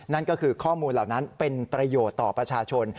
นั่นก็คือข้อมูลเหล่านั้นเป็นประโยชน์ต่อประชาชน